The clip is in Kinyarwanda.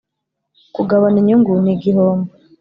Kugabana inyungu n igihombo